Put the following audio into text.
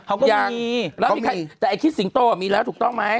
เขายังมีแล้วมีใครแต่ไอ้คิดสิงโตมีแล้วถูกต้องไหม